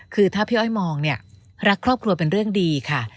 คือถ้าพี่อ้อยมองเนี่ยรักครอบครัวเป็นเรื่องดีค่ะ